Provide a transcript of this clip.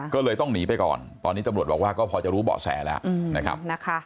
ก็เลยต้องหนีไปก่อนตอนนี้ตำรวจบอกว่าก็พอจะรู้เบาะแสแล้วนะครับ